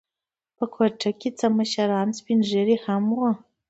په کوټه کې څه مشران سپین ږیري هم و.